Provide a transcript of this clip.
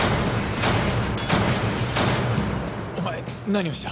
お前何をした？